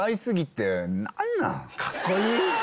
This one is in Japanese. かっこいい。